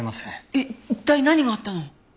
えっ一体何があったの？